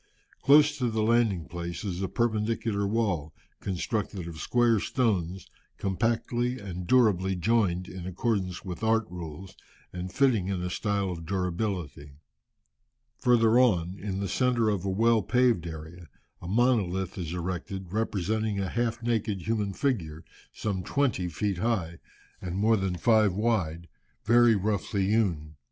Close to the landing place is a perpendicular wall, constructed of square stones, compactly and durably joined in accordance with art rules, and fitting in a style of durability. Further on, in the centre of a well paved area, a monolith is erected, representing a half naked human figure, some twenty feet high, and more than five wide, very roughly hewn.